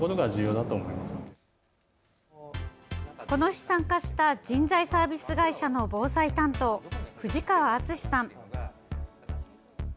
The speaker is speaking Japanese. この日参加した人材サービス会社の防災担当藤川淳さん。